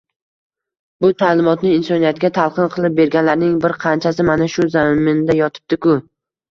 Bu ta’limotni insoniyatga talqin qilib berganlarning bir qanchasi mana shu zaminda yotibdi-ku!